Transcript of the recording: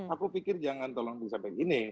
aku pikir jangan tolong disampaikan gini